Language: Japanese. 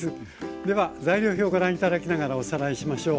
では材料表ご覧頂きながらおさらいしましょう。